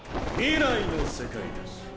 未来の世界です。